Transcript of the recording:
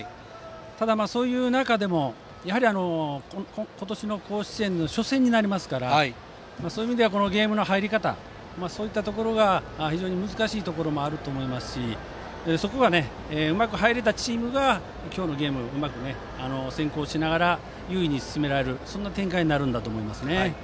ただ、そういう中でもやはり今年の甲子園の初戦になりますからそういう意味でゲームの入り方は非常に難しいところもあると思いますしそこが、うまく入れたチームが今日のゲームでもうまく先行しながら優位に進めるそんな展開になると思います。